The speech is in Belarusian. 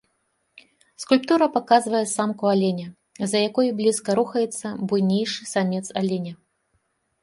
Скульптура паказвае самку аленя, за якой блізка рухаецца буйнейшы самец аленя.